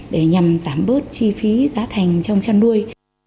để nhằm giảm bớt chi phí giá thành trong chăn nuôi